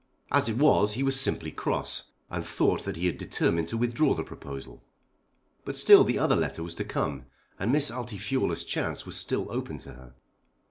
As it was he was simply cross, and thought that he had determined to withdraw the proposal. But still the other letter was to come, and Miss Altifiorla's chance was still open to her.